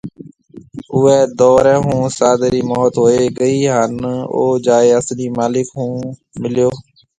اوئي دئوري ھوناستاد ري موت ھوئي گئي ھان او جائي اصلي مالڪ ھونجائي مليو